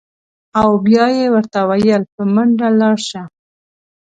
او بیا یې ورته ویل: په منډه لاړ شه.